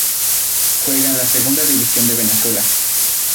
Juega en la Segunda División de Venezuela.